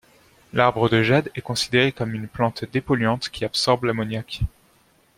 L'arbre de jade est considéré comme une plante dépolluante qui absorbe l'ammoniac.